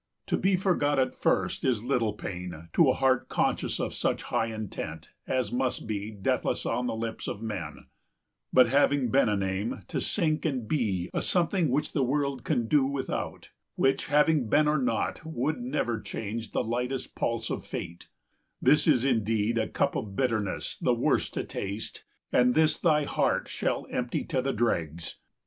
To be forgot at first is little pain To a heart conscious of such high intent As must be deathless on the lips of men; 195 But, having been a name, to sink and be A something which the world can do without, Which, having been or not, would never change The lightest pulse of fate, this is indeed A cup of bitterness the worst to taste, 200 And this thy heart shall empty to the dregs.